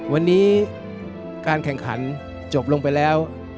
วันนี้การแข่งขันจบลงไปแล้ว